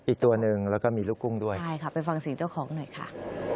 อีกตัวหนึ่งแล้วก็มีลูกกุ้งด้วยใช่ค่ะไปฟังเสียงเจ้าของหน่อยค่ะ